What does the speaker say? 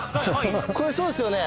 これそうですよね？